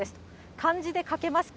漢字で書けますか？